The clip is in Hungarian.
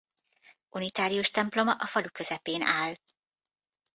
Unitárius temploma a falu közepén áll.